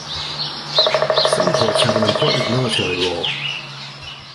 Some ports have an important military role.